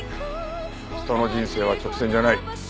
人の人生は直線じゃない。